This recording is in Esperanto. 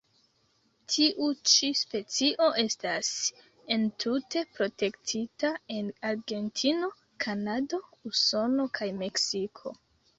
Tiu ĉi specio estas entute protektita en Argentino, Kanado, Usono kaj Meksiko.